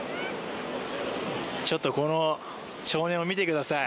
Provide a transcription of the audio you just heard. ちょっとこの少年を見てください。